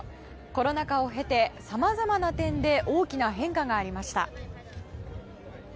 コロナ禍を経てさまざまな点で大きな変化がありました。